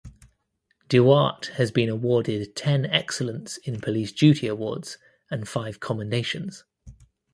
Duarte has been awarded ten Excellence in Police Duty awards and five commendations.